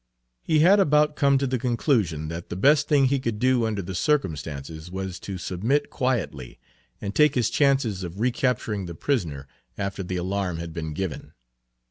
He had about come to the conclusion that the best thing he could do under the circumstances was to submit quietly, and take his chances of recapturing the prisoner after the alarm had been given.